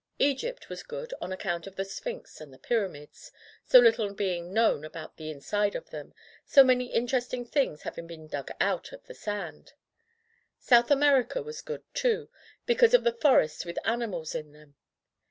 Egypt was good on account of the Sphinx and die Pyramids; so little being known about the inside of them; so many interesting things having been dug out of the sand. South America was good, too, because of the forests with animals in them.